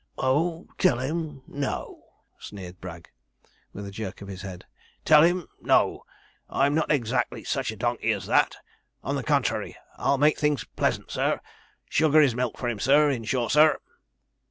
'Oh, tell him no,' sneered Bragg, with a jerk of the head; 'tell him no; I'm not exactly such a donkey as that; on the contrary, I'll make things pleasant, sir sugar his milk for him, sir, in short, sir.'